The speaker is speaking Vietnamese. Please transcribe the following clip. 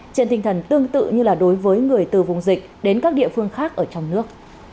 trên tinh thần tương tự như là đối với người từ vùng dịch đến các địa phương khác ở trong nước